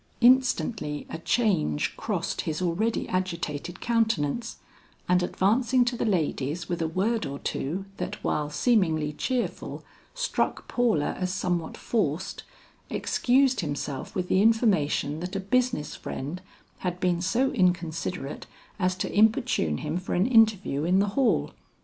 Instantly a change crossed his already agitated countenance, and advancing to the ladies with a word or two that while seemingly cheerful, struck Paula as somewhat forced, excused himself with the information that a business friend had been so inconsiderate as to importune him for an interview in the hall.